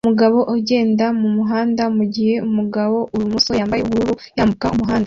Umugabo ugenda mumuhanda mugihe umugabo ibumoso yambaye ubururu yambuka umuhanda